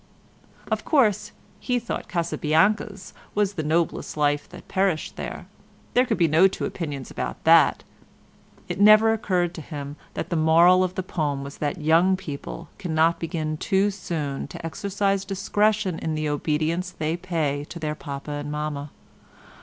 Of course he thought Casabianca's was the noblest life that perished there; there could be no two opinions about that; it never occurred to him that the moral of the poem was that young people cannot begin too soon to exercise discretion in the obedience they pay to their Papa and Mamma.